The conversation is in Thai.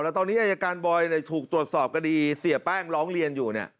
แล้วตอนนี้อายการบอยถูกตรวจสอบคดีเสียแป้งร้องเรียนอยู่เนี่ย